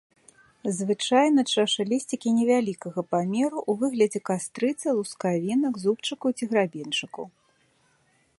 Звычайна чашалісцікі невялікага памеру, у выглядзе кастрыцы, лускавінак, зубчыкаў ці грабеньчыкаў.